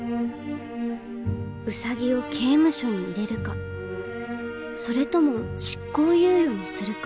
ウサギを刑務所に入れるかそれとも執行猶予にするか。